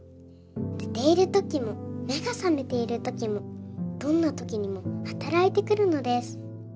寝ているときも、目が覚めているときも、どんなときにも働いてくるのです。